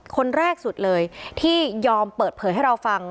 คนแรกสุดเลยที่ยอมเปิดเผยให้เราฟัง